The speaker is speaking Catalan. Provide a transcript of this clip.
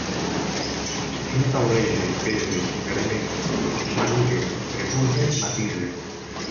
Jo taulege, pese, permet, xarugue, prepose, matise